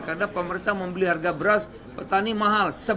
karena pemerintah membeli harga beras petani mahal